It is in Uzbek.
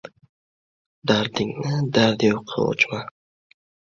• Dardingni dardi yo‘qqa ochma.